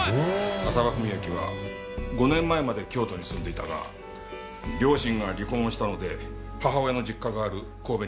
浅羽史明は５年前まで京都に住んでいたが両親が離婚したので母親の実家がある神戸に移った。